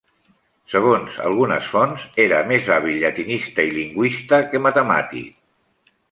Segons algunes fonts, era més hàbil llatinista i lingüista que matemàtic.